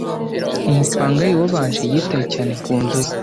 Umupangayi wabanje yitaye cyane ku nzu ye.